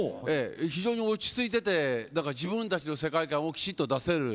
非常に落ち着いてて自分たちの世界観をきちんと出せる。